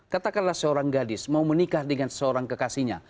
katakanlah seorang gadis mau menikah dengan seorang kekasihnya